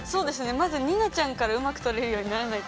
まずになちゃんからうまく撮れるようにならないと。